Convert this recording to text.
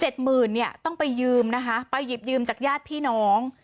หมื่นเนี่ยต้องไปยืมนะคะไปหยิบยืมจากญาติพี่น้อง